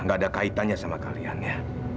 gak ada kaitannya sama kalian ya